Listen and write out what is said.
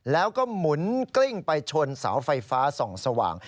แล้วก็หมุนกลิ้งไปชนเสาไฟฟ้าส่องสว่าง